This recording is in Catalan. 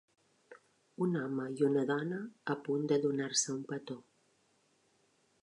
un home i una dona a punt de donar-se un petó